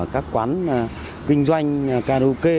các quán kinh doanh kdok